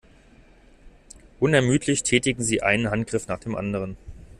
Unermüdlich tätigen sie einen Handgriff nach dem anderen.